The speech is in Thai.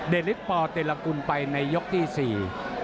เดลิกปเตรลกุลไปในยกที่๔